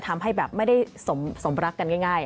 กำลังทำให้ไม่ทรงรักกันง่าย